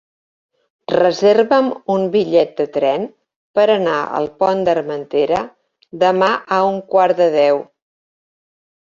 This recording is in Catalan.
Reserva'm un bitllet de tren per anar al Pont d'Armentera demà a un quart de deu.